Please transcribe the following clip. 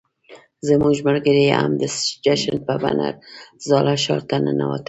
زموږ ملګري هم د جشن په بڼه زاړه ښار ته ننوتل.